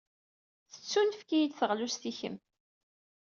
Tettunefk-iyi-d teɣlust i kemm.